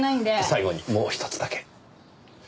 最後にもう一つだけ。